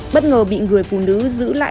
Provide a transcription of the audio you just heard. bất ngờ bị người phụ nữ giữ lại